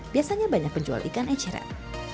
biasanya banyak penjual ikan eceran